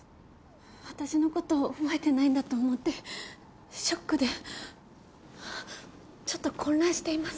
私のこと覚えてないんだと思ってショックでちょっと混乱しています。